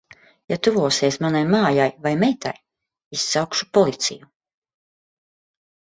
Ja tuvosies manai mājai vai meitai, izsaukšu policiju.